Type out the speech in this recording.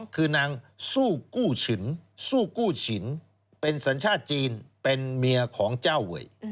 ๒คือนางซูกู้ฉินสัญชาติจีนเป็นเมียของเจ้าเวย